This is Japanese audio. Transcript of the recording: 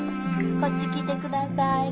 こっち来てください